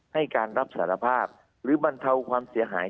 ให้การรับสารภาพหรือบรรเทาความเสียหาย